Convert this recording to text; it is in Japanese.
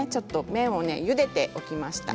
麺をゆでておきました。